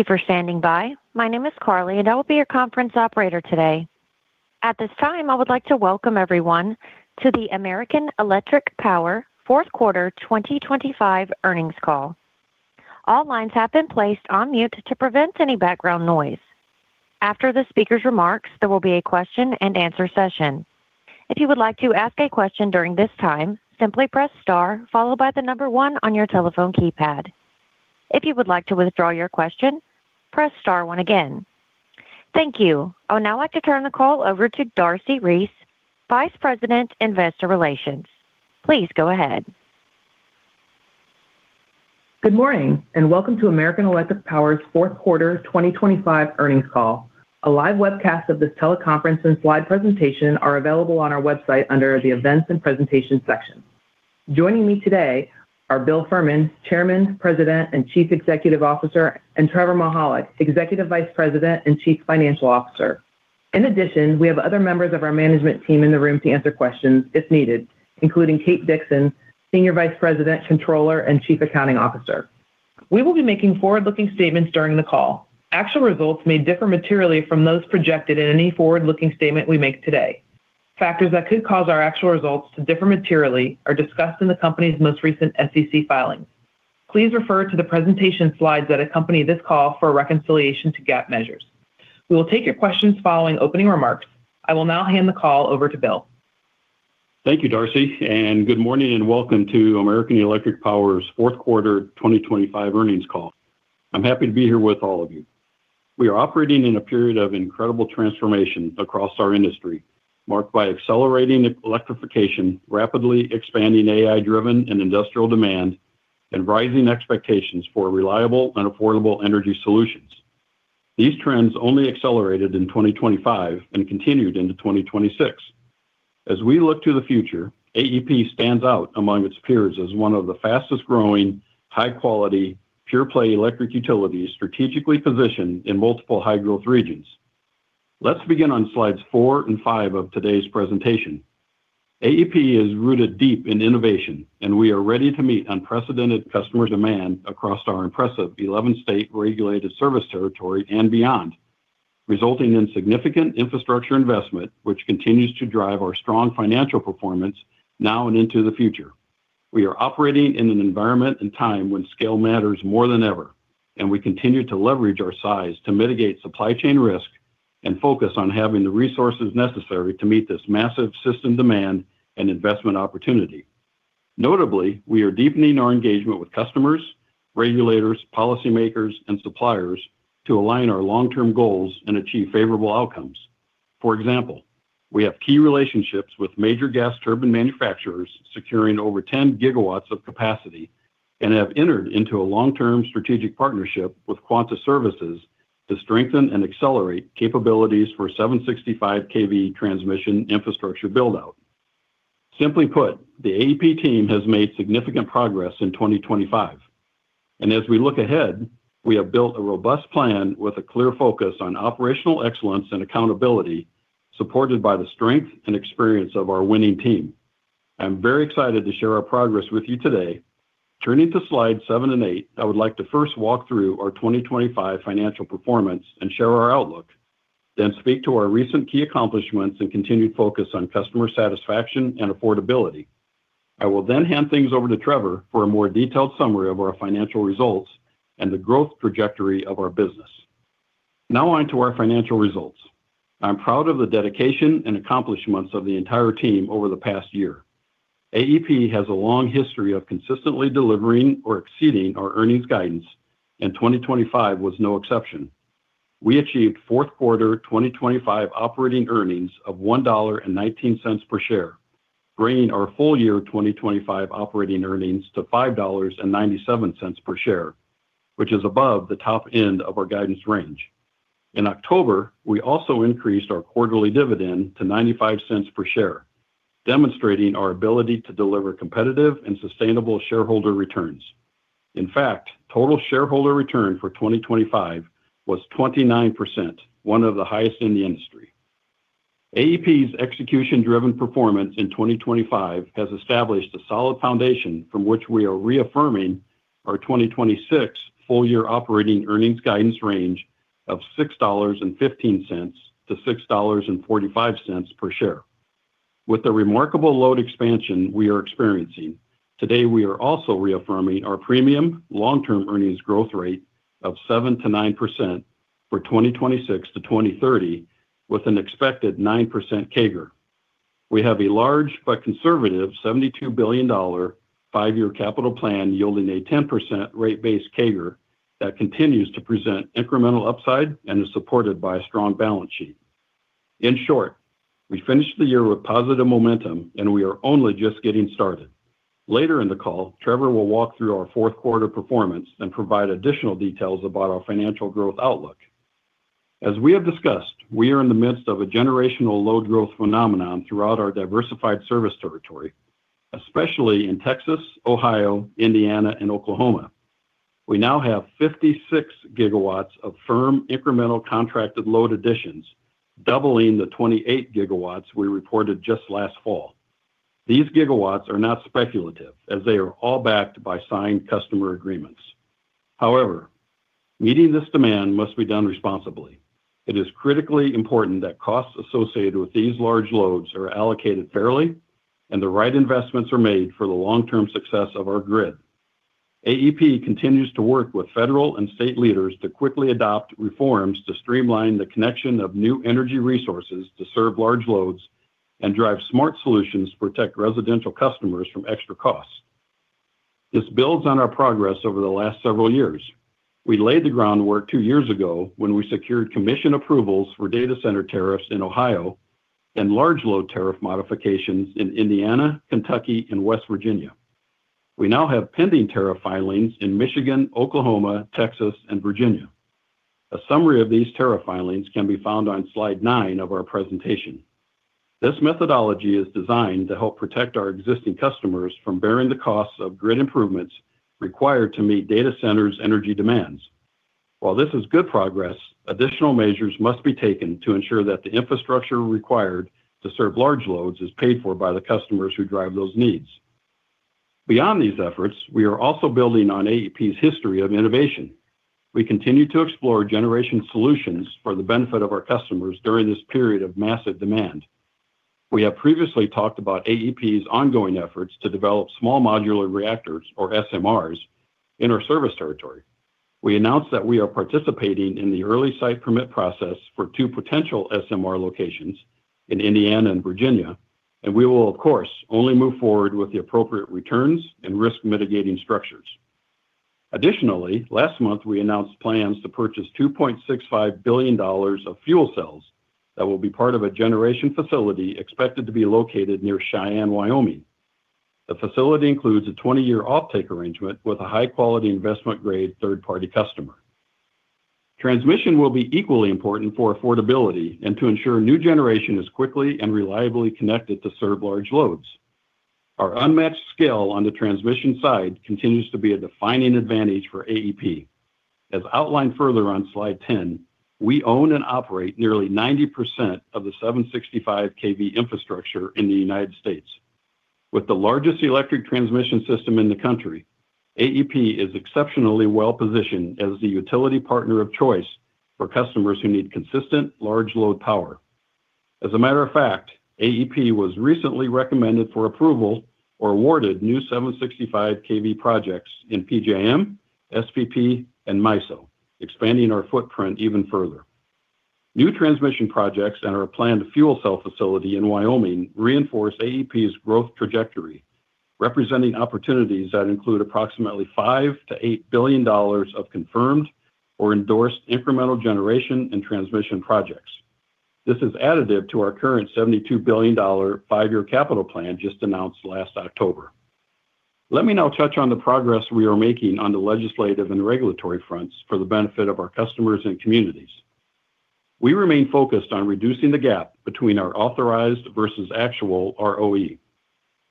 Thank you for standing by. My name is Carly, and I will be your conference operator today. At this time, I would like to welcome everyone to the American Electric Power Fourth Quarter 2025 Earnings Call. All lines have been placed on mute to prevent any background noise. After the speaker's remarks, there will be a question and answer session. If you would like to ask a question during this time, simply press star followed by the number one on your telephone keypad. If you would like to withdraw your question, press star one again. Thank you. I would now like to turn the call over to Darcy Reese, Vice President, Investor Relations. Please go ahead. Good morning, and welcome to American Electric Power's Fourth Quarter 2025 Earnings Call. A live webcast of this teleconference and slide presentation are available on our website under the Events and Presentation section. Joining me today are Bill Fehrman, Chairman, President, and Chief Executive Officer, and Trevor Mihalik, Executive Vice President and Chief Financial Officer. In addition, we have other members of our management team in the room to answer questions if needed, including Kate Dixon, Senior Vice President, Controller, and Chief Accounting Officer. We will be making forward-looking statements during the call. Actual results may differ materially from those projected in any forward-looking statement we make today. Factors that could cause our actual results to differ materially are discussed in the company's most recent SEC filings. Please refer to the presentation slides that accompany this call for a reconciliation to GAAP measures. We will take your questions following opening remarks. I will now hand the call over to Bill. Thank you, Darcy, and good morning, and welcome to American Electric Power's Fourth Quarter 2025 Earnings Call. I'm happy to be here with all of you. We are operating in a period of incredible transformation across our industry, marked by accelerating electrification, rapidly expanding AI-driven and industrial demand, and rising expectations for reliable and affordable energy solutions. These trends only accelerated in 2025 and continued into 2026. As we look to the future, AEP stands out among its peers as one of the fastest-growing, high-quality, pure-play electric utilities strategically positioned in multiple high-growth regions. Let's begin on slides four and five of today's presentation. AEP is rooted deep in innovation, and we are ready to meet unprecedented customer demand across our impressive 11-state regulated service territory and beyond, resulting in significant infrastructure investment, which continues to drive our strong financial performance now and into the future. We are operating in an environment and time when scale matters more than ever, and we continue to leverage our size to mitigate supply chain risk and focus on having the resources necessary to meet this massive system demand and investment opportunity. Notably, we are deepening our engagement with customers, regulators, policymakers, and suppliers to align our long-term goals and achieve favorable outcomes. For example, we have key relationships with major gas turbine manufacturers, securing over 10 GW of capacity, and have entered into a long-term strategic partnership with Quanta Services to strengthen and accelerate capabilities for 765 kV transmission infrastructure build-out. Simply put, the AEP team has made significant progress in 2025, and as we look ahead, we have built a robust plan with a clear focus on operational excellence and accountability, supported by the strength and experience of our winning team. I'm very excited to share our progress with you today. Turning to slides seven and eight, I would like to first walk through our 2025 financial performance and share our outlook, then speak to our recent key accomplishments and continued focus on customer satisfaction and affordability. I will then hand things over to Trevor for a more detailed summary of our financial results and the growth trajectory of our business. Now on to our financial results. I'm proud of the dedication and accomplishments of the entire team over the past year. AEP has a long history of consistently delivering or exceeding our earnings guidance, and 2025 was no exception. We achieved fourth quarter 2025 operating earnings of $1.19 per share, bringing our full year 2025 operating earnings to $5.97 per share, which is above the top end of our guidance range. In October, we also increased our quarterly dividend to $0.95 per share, demonstrating our ability to deliver competitive and sustainable shareholder returns. In fact, total shareholder return for 2025 was 29%, one of the highest in the industry. AEP's execution-driven performance in 2025 has established a solid foundation from which we are reaffirming our 2026 full-year operating earnings guidance range of $6.15-$6.45 per share. With the remarkable load expansion we are experiencing, today, we are also reaffirming our premium long-term earnings growth rate of 7%-9% for 2026-2030, with an expected 9% CAGR. We have a large but conservative $72 billion five-year capital plan, yielding a 10% rate base CAGR that continues to present incremental upside and is supported by a strong balance sheet. In short, we finished the year with positive momentum, and we are only just getting started. Later in the call, Trevor will walk through our fourth quarter performance and provide additional details about our financial growth outlook. As we have discussed, we are in the midst of a generational load growth phenomenon throughout our diversified service territory, especially in Texas, Ohio, Indiana, and Oklahoma. We now have 56 GW of firm incremental contracted load additions, doubling the 28 GW we reported just last fall.... These gigawatts are not speculative, as they are all backed by signed customer agreements. However, meeting this demand must be done responsibly. It is critically important that costs associated with these large loads are allocated fairly and the right investments are made for the long-term success of our grid. AEP continues to work with federal and state leaders to quickly adopt reforms to streamline the connection of new energy resources to serve large loads and drive smart solutions to protect residential customers from extra costs. This builds on our progress over the last several years. We laid the groundwork two years ago when we secured commission approvals for data center tariffs in Ohio and large load tariff modifications in Indiana, Kentucky, and West Virginia. We now have pending tariff filings in Michigan, Oklahoma, Texas, and Virginia. A summary of these tariff filings can be found on slide nine of our presentation. This methodology is designed to help protect our existing customers from bearing the costs of grid improvements required to meet data centers' energy demands. While this is good progress, additional measures must be taken to ensure that the infrastructure required to serve large loads is paid for by the customers who drive those needs. Beyond these efforts, we are also building on AEP's history of innovation. We continue to explore generation solutions for the benefit of our customers during this period of massive demand. We have previously talked about AEP's ongoing efforts to develop small modular reactors, or SMRs, in our service territory. We announced that we are participating in the early site permit process for two potential SMR locations in Indiana and Virginia, and we will, of course, only move forward with the appropriate returns and risk mitigating structures. Additionally, last month, we announced plans to purchase $2.65 billion of fuel cells that will be part of a generation facility expected to be located near Cheyenne, Wyoming. The facility includes a 20-year offtake arrangement with a high-quality investment-grade third-party customer. Transmission will be equally important for affordability and to ensure new generation is quickly and reliably connected to serve large loads. Our unmatched scale on the transmission side continues to be a defining advantage for AEP. As outlined further on slide 10, we own and operate nearly 90% of the 765 kV infrastructure in the United States. With the largest electric transmission system in the country, AEP is exceptionally well-positioned as the utility partner of choice for customers who need consistent, large load power. As a matter of fact, AEP was recently recommended for approval or awarded new 765 kV projects in PJM, SPP, and MISO, expanding our footprint even further. New transmission projects and our planned fuel cell facility in Wyoming reinforce AEP's growth trajectory, representing opportunities that include approximately $5 billion-$8 billion of confirmed or endorsed incremental generation and transmission projects. This is additive to our current $72 billion five-year capital plan just announced last October. Let me now touch on the progress we are making on the legislative and regulatory fronts for the benefit of our customers and communities. We remain focused on reducing the gap between our authorized versus actual ROE.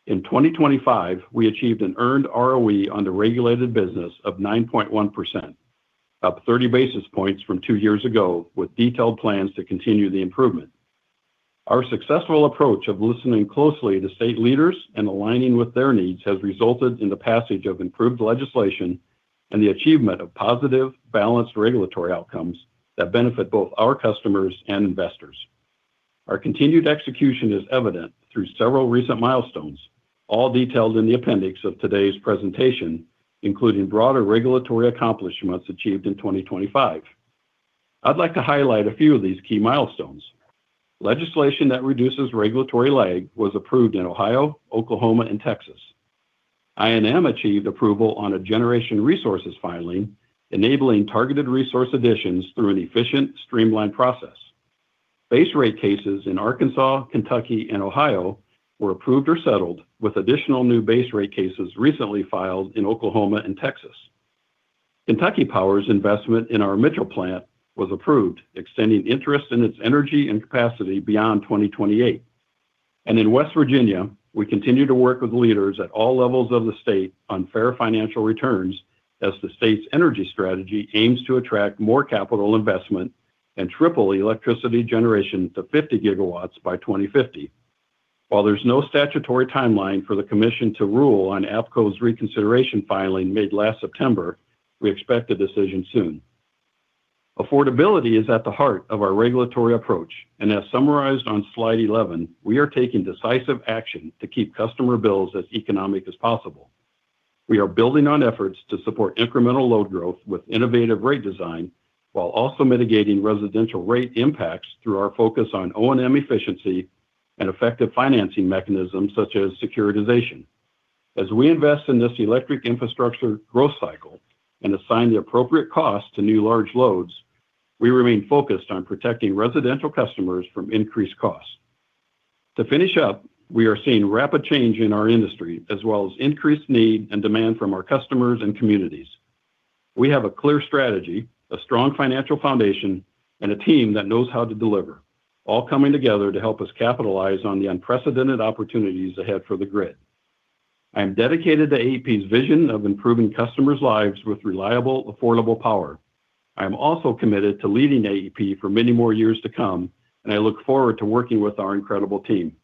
In 2025, we achieved an earned ROE on the regulated business of 9.1%, up 30 basis points from two years ago, with detailed plans to continue the improvement. Our successful approach of listening closely to state leaders and aligning with their needs has resulted in the passage of improved legislation and the achievement of positive, balanced regulatory outcomes that benefit both our customers and investors. Our continued execution is evident through several recent milestones, all detailed in the appendix of today's presentation, including broader regulatory accomplishments achieved in 2025. I'd like to highlight a few of these key milestones. Legislation that reduces regulatory lag was approved in Ohio, Oklahoma, and Texas. I&M achieved approval on a generation resources filing, enabling targeted resource additions through an efficient, streamlined process. Base rate cases in Arkansas, Kentucky, and Ohio were approved or settled, with additional new base rate cases recently filed in Oklahoma and Texas. Kentucky Power's investment in our Mitchell plant was approved, extending interest in its energy and capacity beyond 2028. In West Virginia, we continue to work with leaders at all levels of the state on fair financial returns, as the state's energy strategy aims to attract more capital investment and triple electricity generation to 50 GW by 2050. While there's no statutory timeline for the commission to rule on APCo's reconsideration filing made last September, we expect a decision soon. Affordability is at the heart of our regulatory approach, and as summarized on slide 11, we are taking decisive action to keep customer bills as economic as possible. We are building on efforts to support incremental load growth with innovative rate design, while also mitigating residential rate impacts through our focus on O&M efficiency and effective financing mechanisms such as securitization. As we invest in this electric infrastructure growth cycle and assign the appropriate costs to new large loads, we remain focused on protecting residential customers from increased costs. To finish up, we are seeing rapid change in our industry, as well as increased need and demand from our customers and communities. We have a clear strategy, a strong financial foundation, and a team that knows how to deliver, all coming together to help us capitalize on the unprecedented opportunities ahead for the grid.... I am dedicated to AEP's vision of improving customers' lives with reliable, affordable power. I am also committed to leading AEP for many more years to come, and I look forward to working with our incredible team.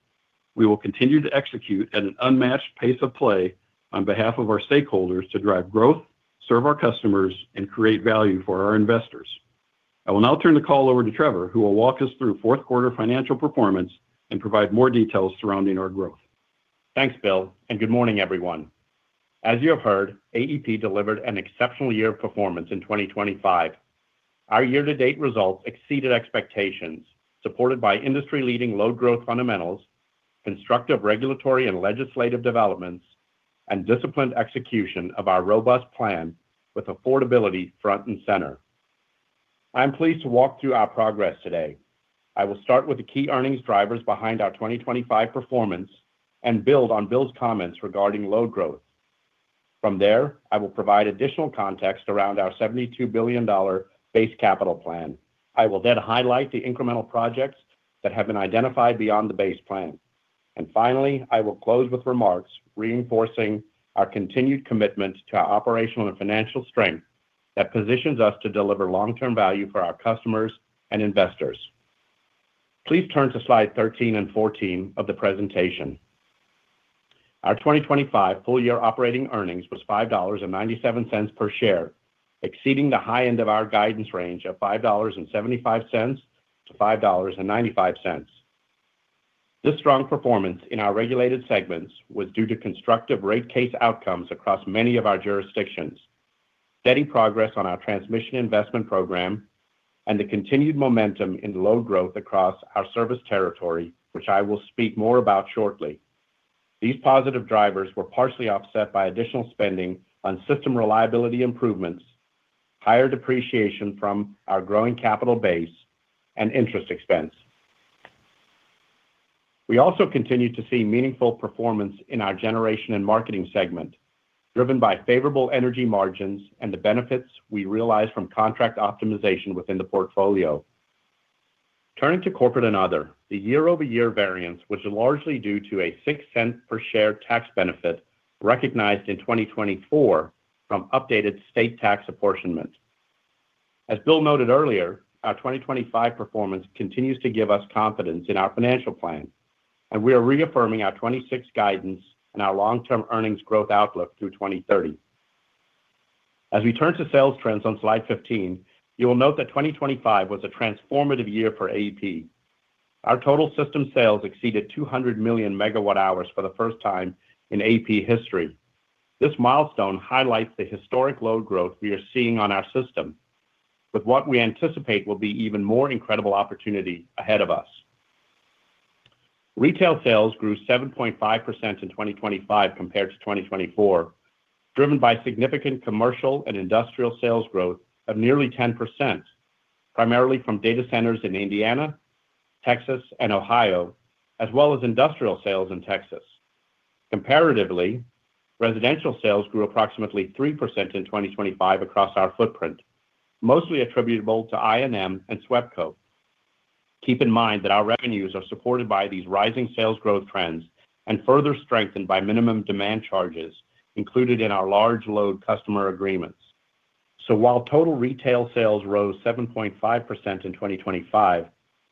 We will continue to execute at an unmatched pace of play on behalf of our stakeholders to drive growth, serve our customers, and create value for our investors. I will now turn the call over to Trevor, who will walk us through fourth quarter financial performance and provide more details surrounding our growth. Thanks, Bill, and good morning, everyone. As you have heard, AEP delivered an exceptional year of performance in 2025. Our year-to-date results exceeded expectations, supported by industry-leading load growth fundamentals, constructive regulatory and legislative developments, and disciplined execution of our robust plan with affordability front and center. I'm pleased to walk through our progress today. I will start with the key earnings drivers behind our 2025 performance and build on Bill's comments regarding load growth. From there, I will provide additional context around our $72 billion base capital plan. I will then highlight the incremental projects that have been identified beyond the base plan. And finally, I will close with remarks reinforcing our continued commitment to our operational and financial strength that positions us to deliver long-term value for our customers and investors. Please turn to slide 13 and 14 of the presentation. Our 2025 full-year operating earnings was $5.97 per share, exceeding the high end of our guidance range of $5.75-$5.95. This strong performance in our regulated segments was due to constructive rate case outcomes across many of our jurisdictions, steady progress on our transmission investment program, and the continued momentum in load growth across our service territory, which I will speak more about shortly. These positive drivers were partially offset by additional spending on system reliability improvements, higher depreciation from our growing capital base, and interest expense. We also continued to see meaningful performance in our generation and marketing segment, driven by favorable energy margins and the benefits we realized from contract optimization within the portfolio. Turning to corporate and other, the year-over-year variance, which is largely due to a $0.06 per share tax benefit recognized in 2024 from updated state tax apportionment. As Bill noted earlier, our 2025 performance continues to give us confidence in our financial plan, and we are reaffirming our 2026 guidance and our long-term earnings growth outlook through 2030. As we turn to sales trends on slide 15, you will note that 2025 was a transformative year for AEP. Our total system sales exceeded 200 million MWh for the first time in AEP history. This milestone highlights the historic load growth we are seeing on our system, with what we anticipate will be even more incredible opportunity ahead of us. Retail sales grew 7.5% in 2025 compared to 2024, driven by significant commercial and industrial sales growth of nearly 10%, primarily from data centers in Indiana, Texas, and Ohio, as well as industrial sales in Texas. Comparatively, residential sales grew approximately 3% in 2025 across our footprint, mostly attributable to I&M and SWEPCO. Keep in mind that our revenues are supported by these rising sales growth trends and further strengthened by minimum demand charges included in our large load customer agreements. So while total retail sales rose 7.5% in 2025,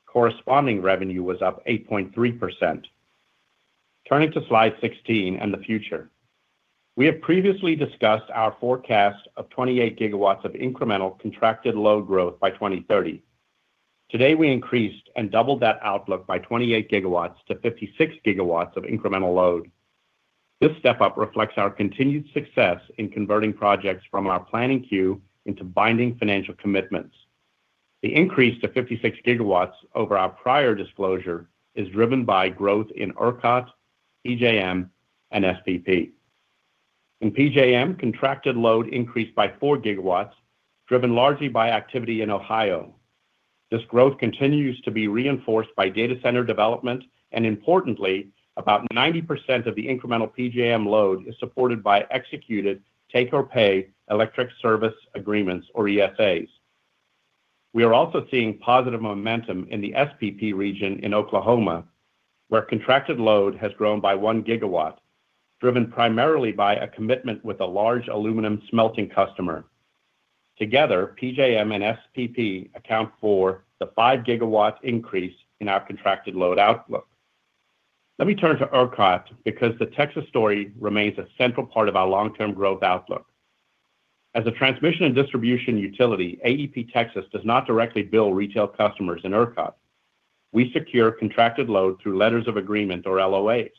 corresponding revenue was up 8.3%. Turning to slide 16 and the future. We have previously discussed our forecast of 28 GW of incremental contracted load growth by 2030. Today, we increased and doubled that outlook by 28 GW to 56 GW of incremental load. This step up reflects our continued success in converting projects from our planning queue into binding financial commitments. The increase to 56 GW over our prior disclosure is driven by growth in ERCOT, PJM, and SPP. In PJM, contracted load increased by 4 GW, driven largely by activity in Ohio. This growth continues to be reinforced by data center development, and importantly, about 90% of the incremental PJM load is supported by executed take-or-pay electric service agreements or ESAs. We are also seeing positive momentum in the SPP region in Oklahoma, where contracted load has grown by 1 GW, driven primarily by a commitment with a large aluminum smelting customer. Together, PJM and SPP account for the 5 GW increase in our contracted load outlook. Let me turn to ERCOT, because the Texas story remains a central part of our long-term growth outlook. As a transmission and distribution utility, AEP Texas does not directly bill retail customers in ERCOT. We secure contracted load through letters of agreement or LOAs.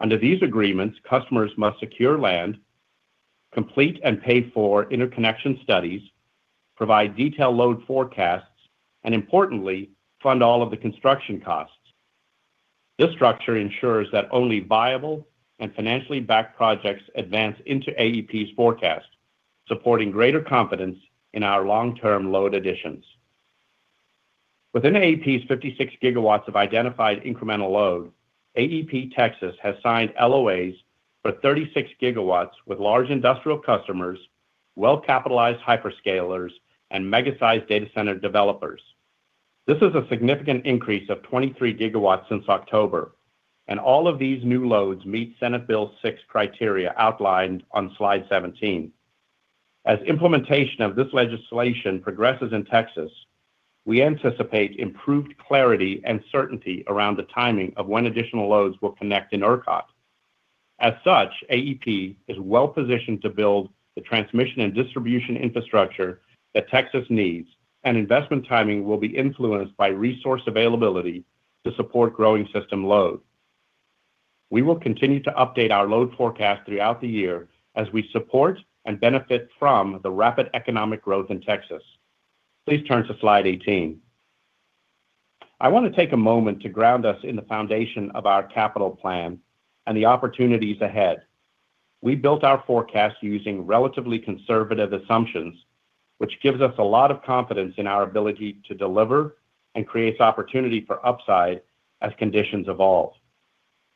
Under these agreements, customers must secure land, complete and pay for interconnection studies, provide detailed load forecasts, and importantly, fund all of the construction costs. This structure ensures that only viable and financially backed projects advance into AEP's forecast, supporting greater confidence in our long-term load additions. Within AEP's 56 GW of identified incremental load, AEP Texas has signed LOAs for 36 GW with large industrial customers, well-capitalized hyperscalers, and mega-sized data center developers.... This is a significant increase of 23 GW since October, and all of these new loads meet Senate Bill 6 criteria outlined on slide 17. As implementation of this legislation progresses in Texas, we anticipate improved clarity and certainty around the timing of when additional loads will connect in ERCOT. As such, AEP is well positioned to build the transmission and distribution infrastructure that Texas needs, and investment timing will be influenced by resource availability to support growing system load. We will continue to update our load forecast throughout the year as we support and benefit from the rapid economic growth in Texas. Please turn to slide 18. I want to take a moment to ground us in the foundation of our capital plan and the opportunities ahead. We built our forecast using relatively conservative assumptions, which gives us a lot of confidence in our ability to deliver and creates opportunity for upside as conditions evolve.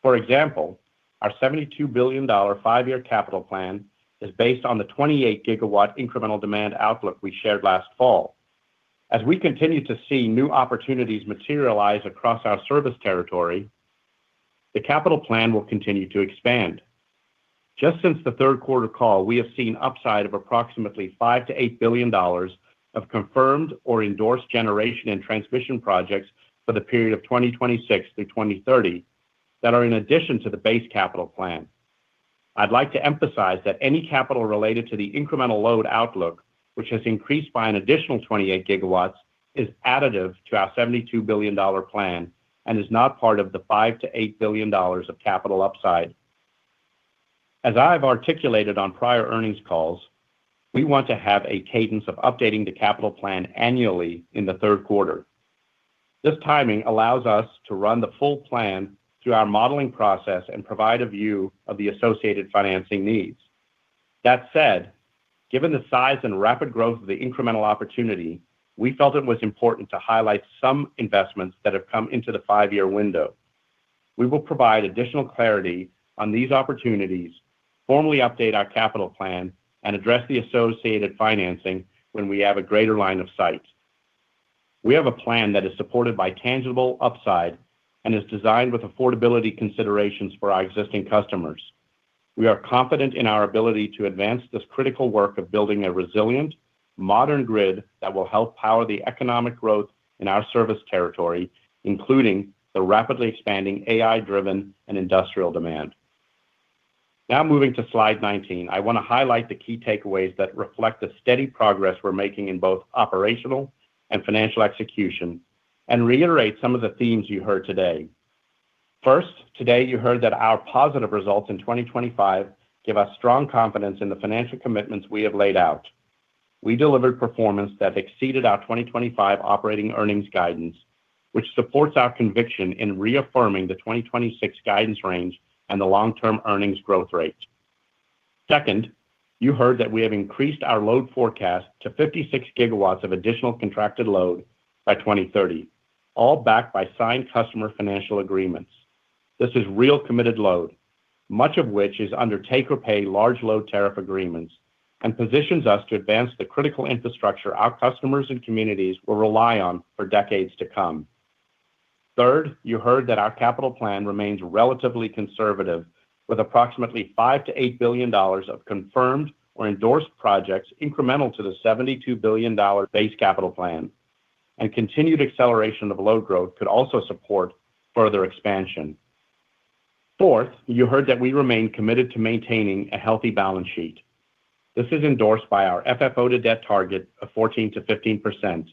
For example, our $72 billion five-year capital plan is based on the 28 GW incremental demand outlook we shared last fall. As we continue to see new opportunities materialize across our service territory, the capital plan will continue to expand. Just since the third quarter call, we have seen upside of approximately $5 billion-$8 billion of confirmed or endorsed generation and transmission projects for the period of 2026 through 2030 that are in addition to the base capital plan. I'd like to emphasize that any capital related to the incremental load outlook, which has increased by an additional 28 GW, is additive to our $72 billion plan and is not part of the $5 billion-$8 billion of capital upside. As I've articulated on prior earnings calls, we want to have a cadence of updating the capital plan annually in the third quarter. This timing allows us to run the full plan through our modeling process and provide a view of the associated financing needs. That said, given the size and rapid growth of the incremental opportunity, we felt it was important to highlight some investments that have come into the five-year window. We will provide additional clarity on these opportunities, formally update our capital plan, and address the associated financing when we have a greater line of sight. We have a plan that is supported by tangible upside and is designed with affordability considerations for our existing customers. We are confident in our ability to advance this critical work of building a resilient, modern grid that will help power the economic growth in our service territory, including the rapidly expanding AI-driven and industrial demand. Now, moving to Slide 19, I want to highlight the key takeaways that reflect the steady progress we're making in both operational and financial execution, and reiterate some of the themes you heard today. First, today, you heard that our positive results in 2025 give us strong confidence in the financial commitments we have laid out. We delivered performance that exceeded our 2025 operating earnings guidance, which supports our conviction in reaffirming the 2026 guidance range and the long-term earnings growth rate. Second, you heard that we have increased our load forecast to 56 GW of additional contracted load by 2030, all backed by signed customer financial agreements. This is real committed load, much of which is under take-or-pay large load tariff agreements, and positions us to advance the critical infrastructure our customers and communities will rely on for decades to come. Third, you heard that our capital plan remains relatively conservative, with approximately $5 billion-$8 billion of confirmed or endorsed projects incremental to the $72 billion base capital plan, and continued acceleration of load growth could also support further expansion. Fourth, you heard that we remain committed to maintaining a healthy balance sheet. This is endorsed by our FFO to debt target of 14%-15%,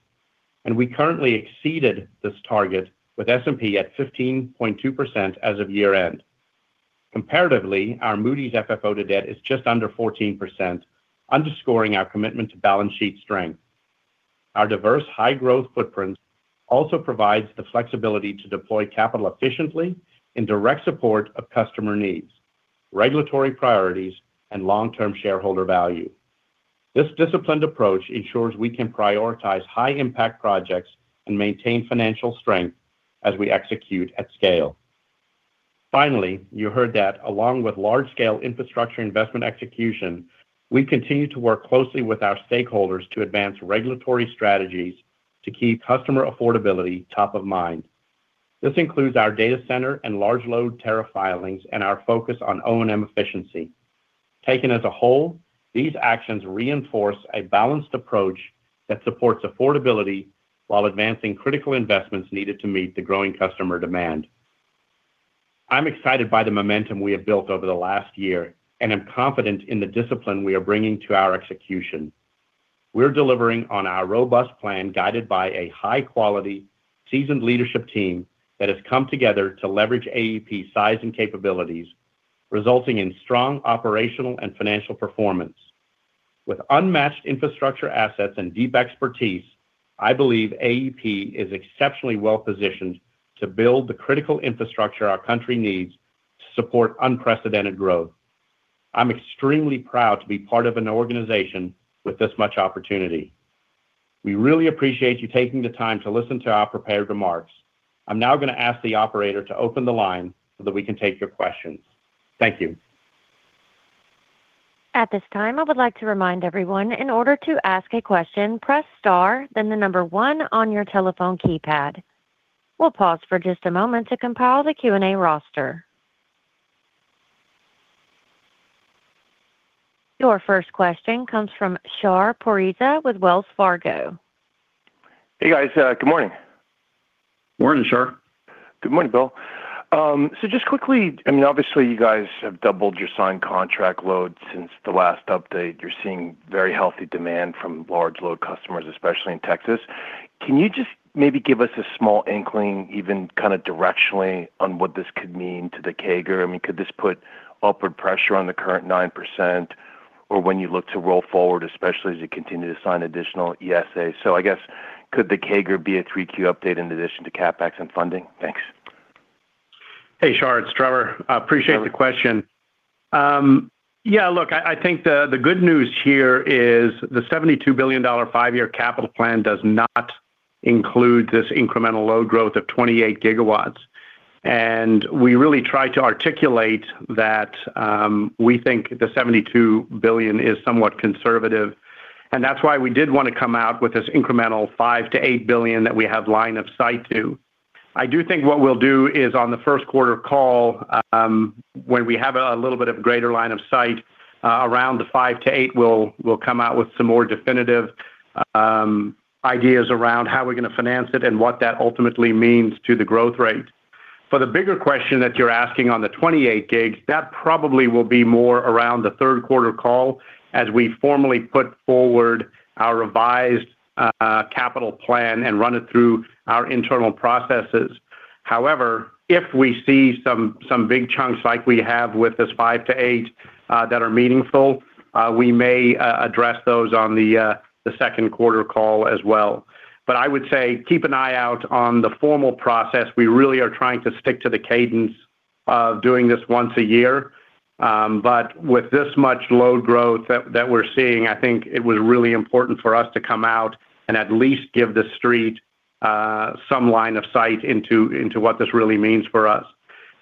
and we currently exceeded this target with S&P at 15.2% as of year-end. Comparatively, our Moody's FFO to debt is just under 14%, underscoring our commitment to balance sheet strength. Our diverse, high-growth footprint also provides the flexibility to deploy capital efficiently in direct support of customer needs, regulatory priorities, and long-term shareholder value. This disciplined approach ensures we can prioritize high-impact projects and maintain financial strength as we execute at scale. Finally, you heard that along with large-scale infrastructure investment execution, we continue to work closely with our stakeholders to advance regulatory strategies to keep customer affordability top of mind. This includes our data center and large load tariff filings and our focus on O&M efficiency. Taken as a whole, these actions reinforce a balanced approach that supports affordability while advancing critical investments needed to meet the growing customer demand. I'm excited by the momentum we have built over the last year, and I'm confident in the discipline we are bringing to our execution. We're delivering on our robust plan, guided by a high-quality, seasoned leadership team that has come together to leverage AEP's size and capabilities, resulting in strong operational and financial performance. With unmatched infrastructure, assets, and deep expertise, I believe AEP is exceptionally well positioned to build the critical infrastructure our country needs to support unprecedented growth. I'm extremely proud to be part of an organization with this much opportunity. We really appreciate you taking the time to listen to our prepared remarks. I'm now going to ask the operator to open the line so that we can take your questions. Thank you. At this time, I would like to remind everyone, in order to ask a question, press Star, then the number one on your telephone keypad. We'll pause for just a moment to compile the Q&A roster. Your first question comes from Shar Pourreza with Wells Fargo. Hey, guys. Good morning. Morning, Shar. Good morning, Bill. So just quickly, I mean, obviously, you guys have doubled your signed contract load since the last update. You're seeing very healthy demand from large load customers, especially in Texas. Can you just maybe give us a small inkling, even kind of directionally, on what this could mean to the CAGR? I mean, could this put upward pressure on the current 9% or when you look to roll forward, especially as you continue to sign additional ESAs? So I guess, could the CAGR be a 3Q update in addition to CapEx and funding? Thanks. Hey, Shar, it's Trevor. I appreciate the question. Yeah, look, I think the good news here is the $72 billion five-year capital plan does not include this incremental load growth of 28 GW. And we really try to articulate that, we think the $72 billion is somewhat conservative, and that's why we did want to come out with this incremental $5 billion-$8 billion that we have line of sight to. I do think what we'll do is on the first quarter call, when we have a little bit of greater line of sight around the $5 billion-$8 billion, we'll come out with some more definitive ideas around how we're going to finance it and what that ultimately means to the growth rate. For the bigger question that you're asking on the 28 GW that probably will be more around the third quarter call as we formally put forward our revised capital plan and run it through our internal processes. However, if we see some big chunks like we have with this five to eight that are meaningful, we may address those on the second quarter call as well. But I would say, keep an eye out on the formal process. We really are trying to stick to the cadence of doing this once a year, but with this much load growth that we're seeing, I think it was really important for us to come out and at least give the street some line of sight into what this really means for us.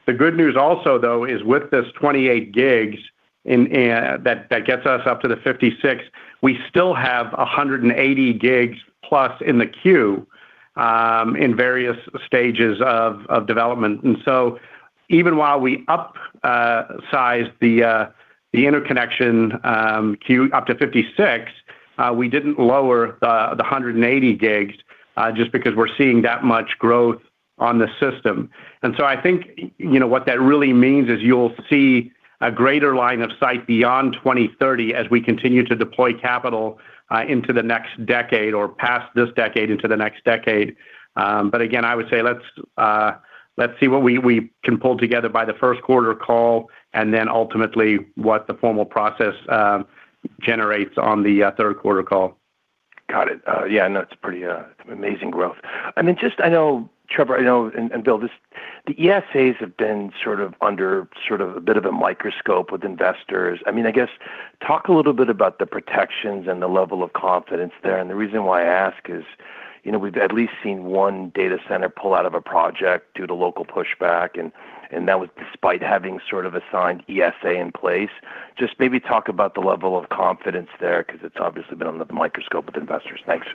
The good news also, though, is with this 28 GW in. That gets us up to the 56, we still have 180 GW plus in the queue, in various stages of development. And so even while we upsize the interconnection queue up to 56, we didn't lower the 180 GW just because we're seeing that much growth on the system. And so I think, you know, what that really means is you'll see a greater line of sight beyond 2030 as we continue to deploy capital into the next decade or past this decade, into the next decade. But again, I would say let's see what we can pull together by the first quarter call and then ultimately what the formal process generates on the third quarter call. Got it. Yeah, I know it's pretty amazing growth. I mean, just I know, Trevor, I know, and Bill, this, the ESAs have been sort of under sort of a bit of a microscope with investors. I mean, I guess talk a little bit about the protections and the level of confidence there. And the reason why I ask is, you know, we've at least seen one data center pull out of a project due to local pushback, and that was despite having sort of assigned ESA in place. Just maybe talk about the level of confidence there, because it's obviously been under the microscope with investors. Thanks.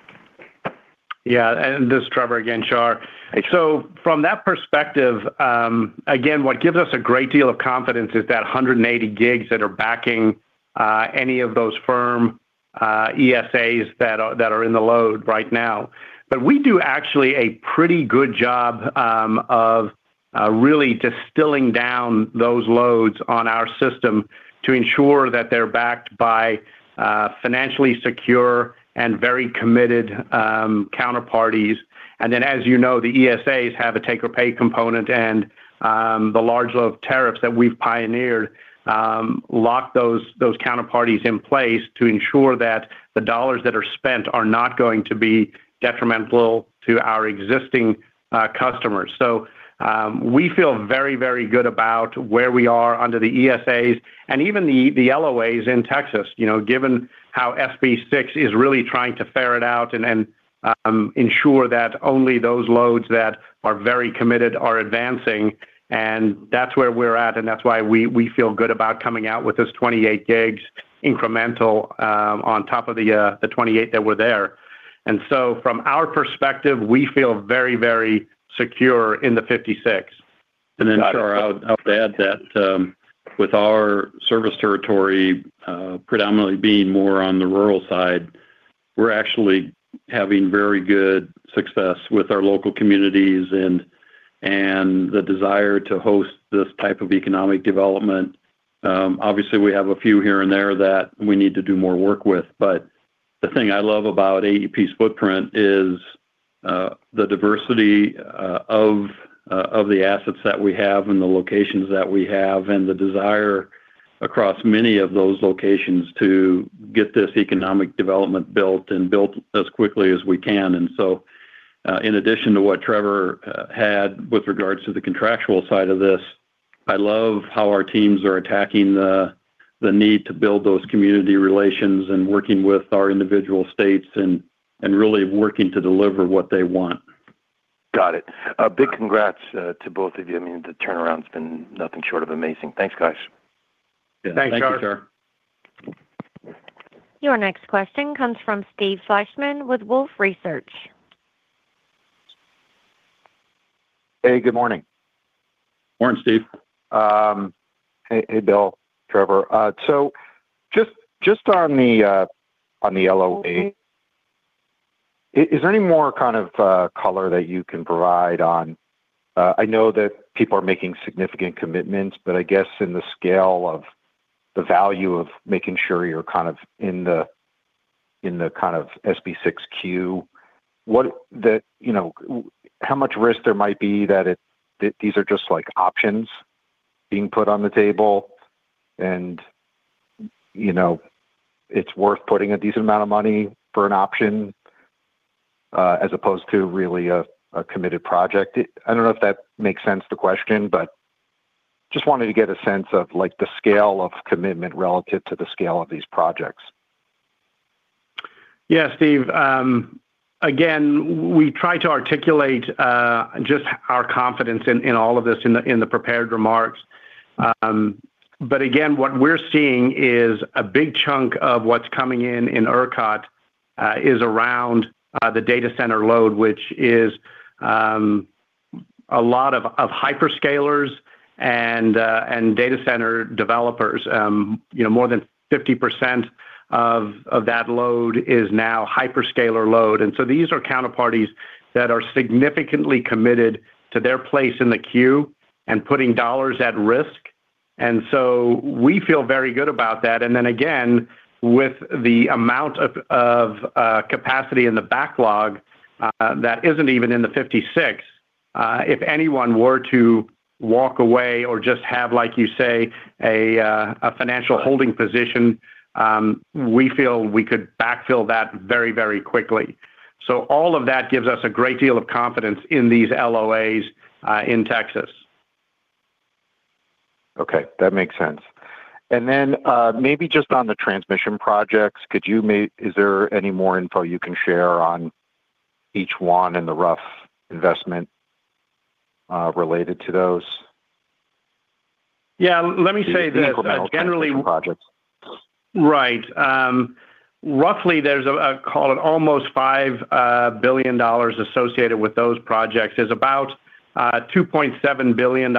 Yeah, and this is Trevor again, Shar. So from that perspective, again, what gives us a great deal of confidence is that 180 GW that are backing any of those firm ESAs that are in the load right now. But we do actually a pretty good job of really distilling down those loads on our system to ensure that they're backed by financially secure and very committed counterparties. And then, as you know, the ESAs have a take-or-pay component, and the large load tariffs that we've pioneered lock those counterparties in place to ensure that the dollars that are spent are not going to be detrimental to our existing customers. We feel very, very good about where we are under the ESAs and even the LOAs in Texas, you know, given how SB 6 is really trying to ferret it out and then ensure that only those loads that are very committed are advancing, and that's where we're at, and that's why we feel good about coming out with this 28 GW incremental on top of the 28 that were there. And so from our perspective, we feel very, very secure in the 56. And then, Shar, I'll add that, with our service territory, predominantly being more on the rural side, we're actually having very good success with our local communities and the desire to host this type of economic development. Obviously, we have a few here and there that we need to do more work with, but the thing I love about AEP's footprint is the diversity of the assets that we have and the locations that we have, and the desire across many of those locations to get this economic development built and built as quickly as we can. And so, in addition to what Trevor had with regards to the contractual side of this, I love how our teams are attacking the need to build those community relations and working with our individual states and really working to deliver what they want.... Got it. A big congrats to both of you. I mean, the turnaround's been nothing short of amazing. Thanks, guys. Thanks, Shar. Thanks, Shar. Your next question comes from Steve Fleishman with Wolfe Research. Hey, good morning. Morning, Steve. Hey, hey, Bill, Trevor. So just, just on the, on the LOA, is there any more kind of, color that you can provide on-- I know that people are making significant commitments, but I guess in the scale of the value of making sure you're kind of in the, in the kind of SB 6 queue, what, you know, how much risk there might be that it-- that these are just like options being put on the table, and, you know, it's worth putting a decent amount of money for an option, as opposed to really a committed project? I don't know if that makes sense, the question, but just wanted to get a sense of, like, the scale of commitment relative to the scale of these projects. Yeah, Steve. Again, we try to articulate just our confidence in all of this in the prepared remarks. But again, what we're seeing is a big chunk of what's coming in in ERCOT is around the data center load, which is a lot of hyperscalers and data center developers. You know, more than 50% of that load is now hyperscaler load. And so these are counterparties that are significantly committed to their place in the queue and putting dollars at risk, and so we feel very good about that. And then again, with the amount of capacity in the backlog that isn't even in the 56, if anyone were to walk away or just have, like you say, a financial holding position, we feel we could backfill that very, very quickly. So all of that gives us a great deal of confidence in these LOAs in Texas. Okay, that makes sense. And then, maybe just on the transmission projects, is there any more info you can share on each one and the rough investment related to those? Yeah, let me say that, generally- Transmission projects. Right. Roughly there's a call it almost $5 billion associated with those projects. There's about $2.7 billion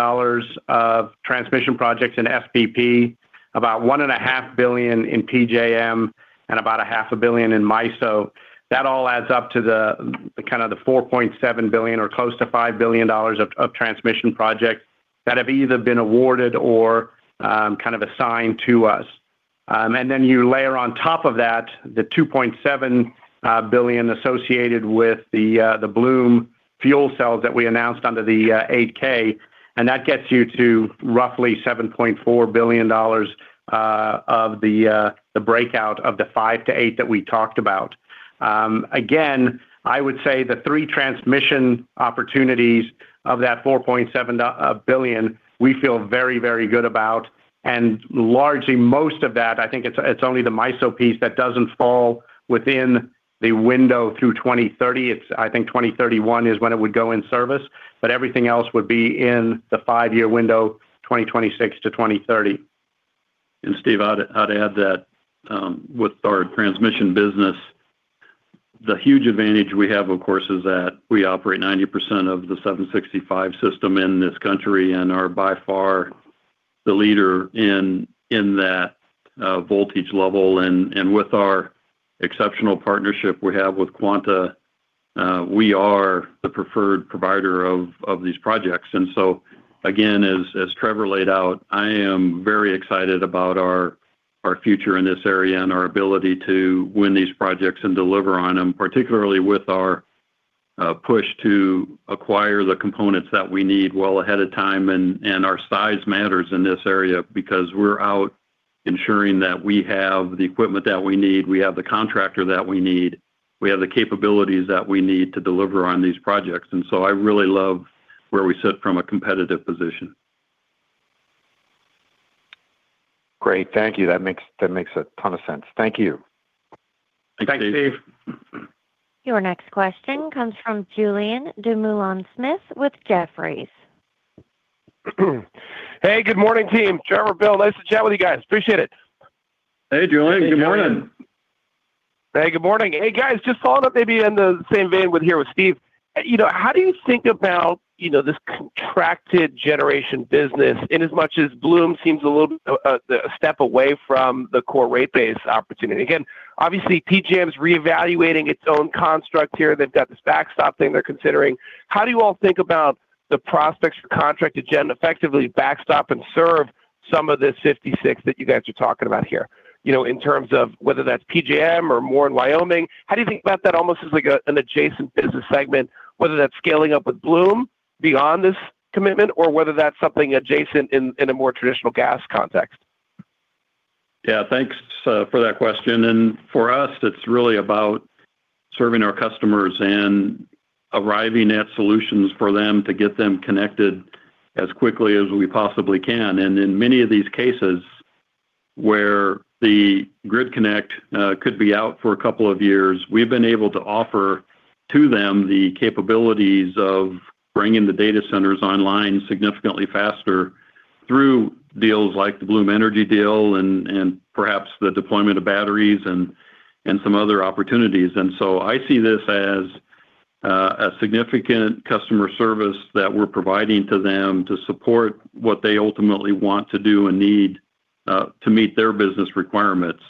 of transmission projects in SPP, about $1.5 billion in PJM, and about a half a billion in MISO. That all adds up to the kind of the $4.7 billion or close to $5 billion of transmission projects that have either been awarded or kind of assigned to us. And then you layer on top of that, the $2.7 billion associated with the Bloom fuel cells that we announced under the 8-K, and that gets you to roughly $7.4 billion of the breakout of the $5-$8 that we talked about. Again, I would say the three transmission opportunities of that $4.7 billion, we feel very, very good about. And largely, most of that, I think it's only the MISO piece that doesn't fall within the window through 2030. It's. I think 2031 is when it would go in service, but everything else would be in the five-year window, 2026 to 2030. And Steve, I'd add that, with our transmission business, the huge advantage we have, of course, is that we operate 90% of the 765 kV system in this country and are by far the leader in that voltage level. And with our exceptional partnership we have with Quanta, we are the preferred provider of these projects. And so again, as Trevor laid out, I am very excited about our future in this area and our ability to win these projects and deliver on them, particularly with our push to acquire the components that we need well ahead of time. And our size matters in this area because we're out ensuring that we have the equipment that we need, we have the contractor that we need, we have the capabilities that we need to deliver on these projects. I really love where we sit from a competitive position. Great. Thank you. That makes, that makes a ton of sense. Thank you. Thanks, Steve. Thanks, Steve. Your next question comes from Julien Dumoulin-Smith with Jefferies. Hey, good morning, team. Trevor, Bill, nice to chat with you guys. Appreciate it. Hey, Julien. Good morning. Hey. Hey, good morning. Hey, guys, just following up, maybe in the same vein with here with Steve, you know, how do you think about, you know, this contracted generation business, inasmuch as Bloom seems a little, a step away from the core rate base opportunity? Again, obviously, PJM is reevaluating its own construct here. They've got this backstop thing they're considering. How do you all think about the prospects for Contracted Gen to effectively backstop and serve some of this 56 that you guys are talking about here, you know, in terms of whether that's PJM or more in Wyoming? How do you think about that almost as, like, an adjacent business segment, whether that's scaling up with Bloom beyond this commitment, or whether that's something adjacent in a more traditional gas context? Yeah, thanks for that question. For us, it's really about serving our customers and arriving at solutions for them to get them connected as quickly as we possibly can. In many of these cases where the grid connection could be out for a couple of years, we've been able to offer to them the capabilities of bringing the data centers online significantly faster through deals like the Bloom Energy deal and, and perhaps the deployment of batteries and, and some other opportunities. So I see this as a significant customer service that we're providing to them to support what they ultimately want to do and need to meet their business requirements.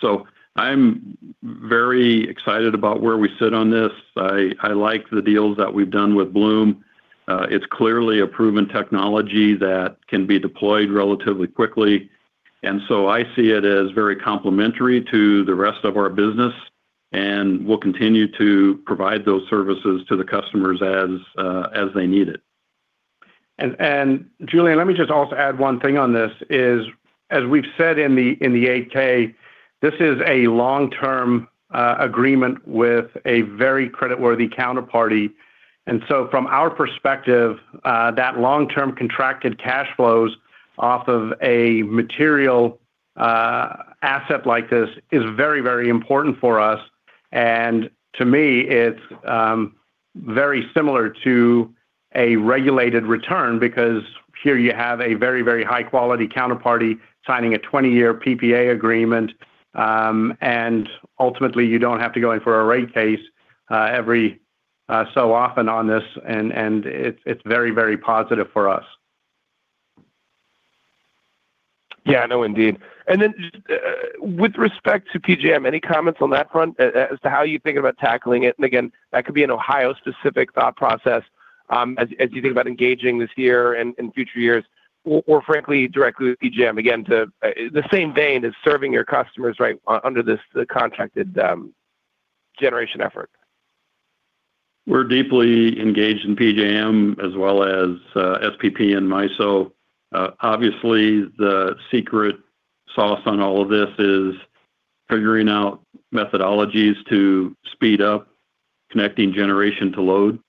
I'm very excited about where we sit on this. I like the deals that we've done with Bloom. It's clearly a proven technology that can be deployed relatively quickly, and so I see it as very complementary to the rest of our business, and we'll continue to provide those services to the customers as they need it. And Julian, let me just also add one thing on this, as we've said in the AK, this is a long-term agreement with a very creditworthy counterparty. And so from our perspective, that long-term contracted cash flows off of a material asset like this is very, very important for us. And to me, it's very similar to a regulated return because here you have a very, very high-quality counterparty signing a 20-year PPA agreement, and ultimately, you don't have to go in for a rate case every so often on this, and it's very, very positive for us. Yeah, no, indeed. And then with respect to PJM, any comments on that front as to how you think about tackling it? And again, that could be an Ohio-specific thought process, as you think about engaging this year and in future years or frankly directly with PJM, again to the same vein as serving your customers, right? Under this the contracted generation effort. We're deeply engaged in PJM as well as, SPP and MISO. Obviously, the secret sauce on all of this is figuring out methodologies to speed up connecting generation to load.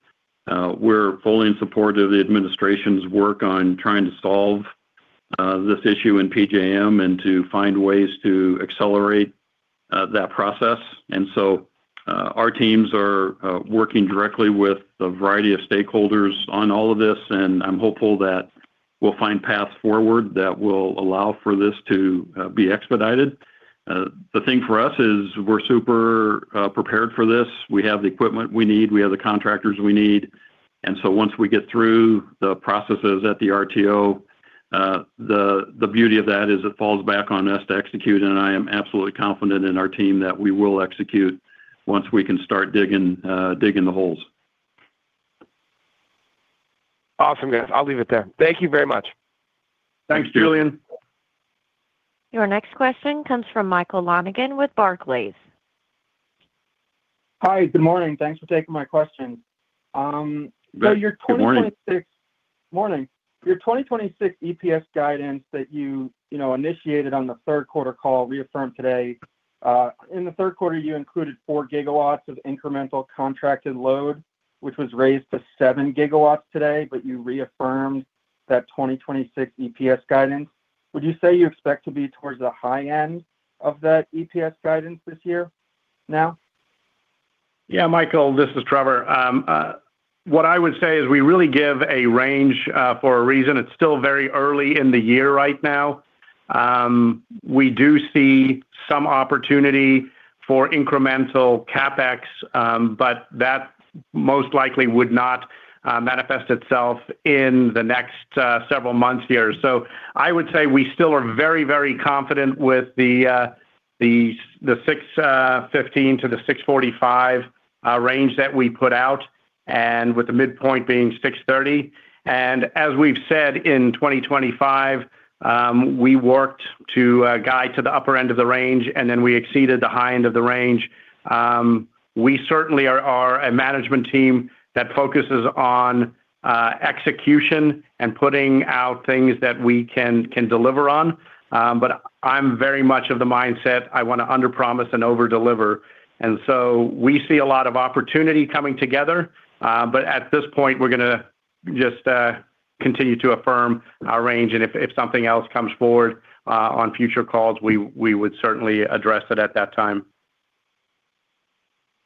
We're fully in support of the administration's work on trying to solve this issue in PJM and to find ways to accelerate that process. And so, our teams are working directly with a variety of stakeholders on all of this, and I'm hopeful that we'll find paths forward that will allow for this to be expedited. The thing for us is we're super prepared for this. We have the equipment we need, we have the contractors we need, and so once we get through the processes at the RTO, the beauty of that is it falls back on us to execute, and I am absolutely confident in our team that we will execute once we can start digging the holes. Awesome, guys. I'll leave it there. Thank you very much. Thanks, Julian. Your next question comes from Michael Lonegan with Barclays. Hi, good morning. Thanks for taking my question. So, your 2026- Good morning. Morning. Your 2026 EPS guidance that you, you know, initiated on the third quarter call, reaffirmed today. In the third quarter, you included 4 GW of incremental contracted load, which was raised to 7 GW today, but you reaffirmed that 2026 EPS guidance. Would you say you expect to be towards the high end of that EPS guidance this year now? Yeah, Michael, this is Trevor. What I would say is we really give a range for a reason. It's still very early in the year right now. We do see some opportunity for incremental CapEx, but that most likely would not manifest itself in the next several months here. So I would say we still are very, very confident with the 615-645 range that we put out, and with the midpoint being 630. And as we've said in 2025, we worked to guide to the upper end of the range, and then we exceeded the high end of the range. We certainly are a management team that focuses on execution and putting out things that we can deliver on. But I'm very much of the mindset I wanna underpromise and overdeliver, and so we see a lot of opportunity coming together. But at this point, we're gonna just continue to affirm our range, and if something else comes forward on future calls, we would certainly address it at that time.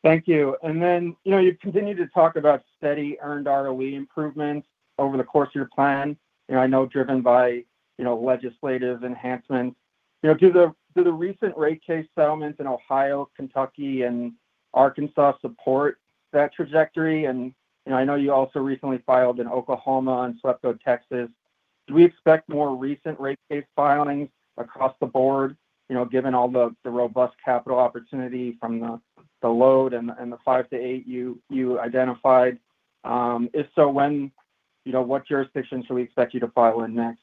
Thank you. And then, you know, you've continued to talk about steady earned ROE improvements over the course of your plan, you know, I know, driven by, you know, legislative enhancements. You know, do the recent rate case settlements in Ohio, Kentucky, and Arkansas support that trajectory? And, you know, I know you also recently filed in Oklahoma and SWEPCO, Texas. Do we expect more recent rate case filings across the board, you know, given all the robust capital opportunity from the load and the 5-8 you identified? If so, when? You know, what jurisdiction should we expect you to file in next?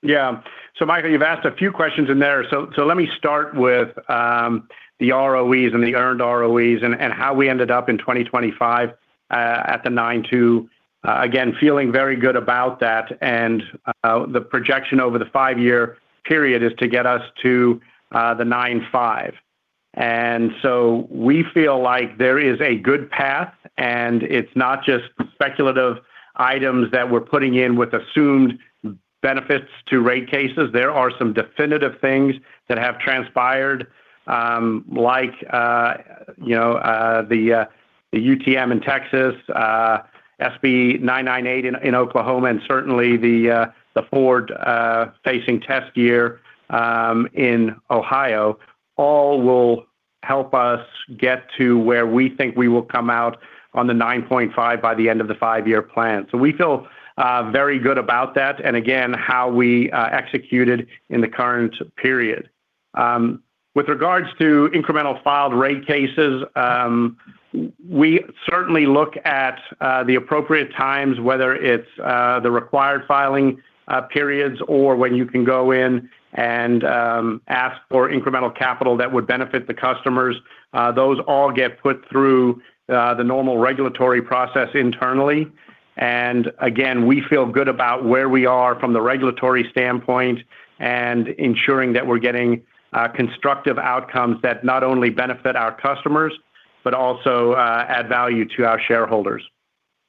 Yeah. So Michael, you've asked a few questions in there. So let me start with the ROEs and the earned ROEs and how we ended up in 2025 at the 9.2%. Again, feeling very good about that, and the projection over the five-year period is to get us to the 9.5%. And so we feel like there is a good path, and it's not just speculative items that we're putting in with assumed benefits to rate cases. There are some definitive things that have transpired, like, you know, the UTM in Texas, SB 998 in Oklahoma, and certainly the forward-facing test year in Ohio, all will help us get to where we think we will come out on the 9.5 by the end of the five-year plan. So we feel very good about that, and again, how we executed in the current period. With regards to incremental filed rate cases, we certainly look at the appropriate times, whether it's the required filing periods or when you can go in and ask for incremental capital that would benefit the customers. Those all get put through the normal regulatory process internally and again, we feel good about where we are from the regulatory standpoint and ensuring that we're getting constructive outcomes that not only benefit our customers, but also add value to our shareholders.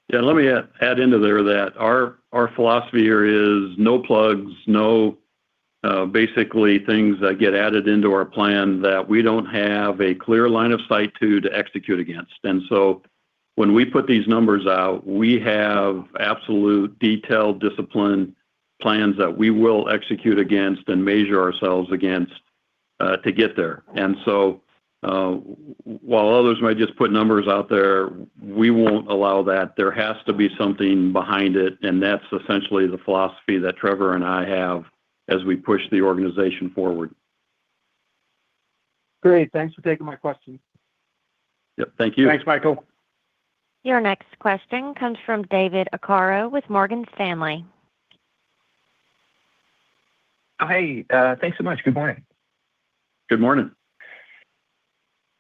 Yeah, let me add into there that our philosophy here is no plugs, no, basically things that get added into our plan that we don't have a clear line of sight to execute against. And so when we put these numbers out, we have absolute detailed, disciplined plans that we will execute against and measure ourselves against to get there. And so while others might just put numbers out there, we won't allow that. There has to be something behind it, and that's essentially the philosophy that Trevor and I have as we push the organization forward. Great. Thanks for taking my question. Yep, thank you. Thanks, Michael. Your next question comes from David Arcaro with Morgan Stanley. Hi, thanks so much. Good morning. Good morning.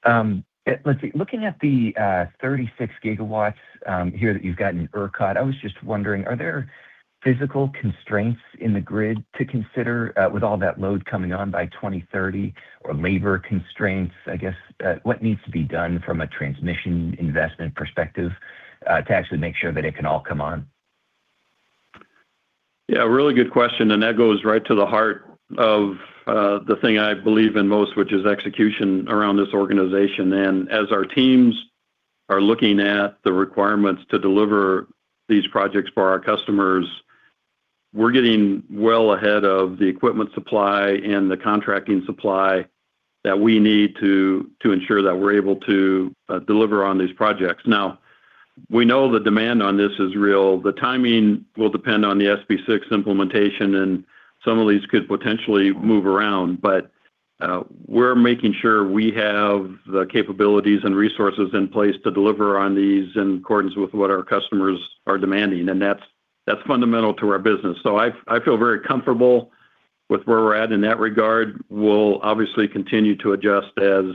Let's see. Looking at the 36 GW here that you've got in ERCOT, I was just wondering, are there physical constraints in the grid to consider with all that load coming on by 2030, or labor constraints? I guess what needs to be done from a transmission investment perspective to actually make sure that it can all come on? Yeah, a really good question, and that goes right to the heart of the thing I believe in most, which is execution around this organization. And as our teams are looking at the requirements to deliver these projects for our customers, we're getting well ahead of the equipment supply and the contracting supply that we need to ensure that we're able to deliver on these projects. Now, we know the demand on this is real. The timing will depend on the SB 6 implementation, and some of these could potentially move around. But we're making sure we have the capabilities and resources in place to deliver on these in accordance with what our customers are demanding, and that's fundamental to our business. So I feel very comfortable with where we're at in that regard. We'll obviously continue to adjust as